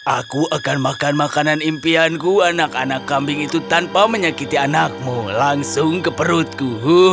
aku akan makan makanan impianku anak anak kambing itu tanpa menyakiti anakmu langsung ke perutku